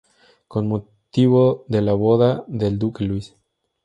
Con motivo de la boda del Duque Luis.